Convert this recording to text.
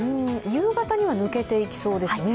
夕方には抜けていきそうですね。